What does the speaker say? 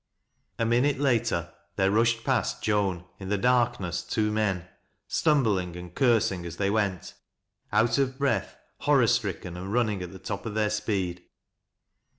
A MINUTE ater there rushed past Joan, in the darkness, two men, — ^gtumbling and cursing as they went, out of breath, horror stricken and running at the top of theii speed.